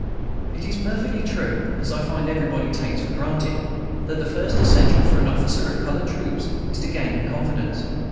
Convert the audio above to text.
It is perfectly true (as I find everybody takes for granted) that the first essential for an officer of colored troops is to gain their confidence.